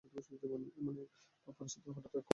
এমন এক পরিস্থিতিতে হঠাৎ আকাশের কোণে মেঘ দেখতে পেল।